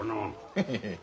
ヘヘヘ。